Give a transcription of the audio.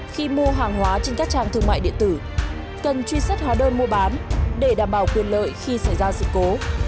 khi mua hàng hóa trên các trang thương mại điện tử cần truy xuất hóa đơn mua bán để đảm bảo quyền lợi khi xảy ra sự cố